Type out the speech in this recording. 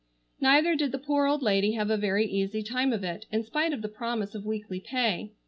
Neither did the poor old lady have a very easy time of it, in spite of the promise of weekly pay.